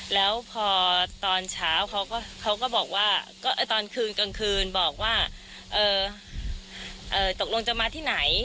แล้วพอตอนเช้าเขาก็บอกว่าตอนคืนกลางคืนบอกว่าตกลงจะมาที่ไหน